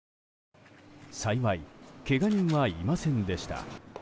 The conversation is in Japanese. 幸いけが人はいませんでした。